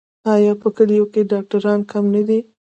آیا په کلیو کې ډاکټران کم نه دي؟